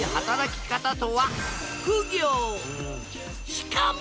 しかも！